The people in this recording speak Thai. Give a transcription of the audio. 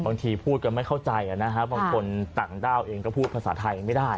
บางทีพูดกันไม่เข้าใจบางคนต่างด้าวเองก็พูดภาษาไทยไม่ได้